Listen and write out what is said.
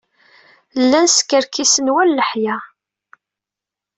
Llan skerkisen war leḥya.